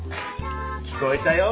聞こえたよ